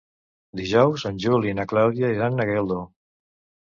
Dijous en Juli i na Clàudia iran a Geldo.